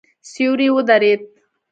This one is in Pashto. سیوری ودرېد.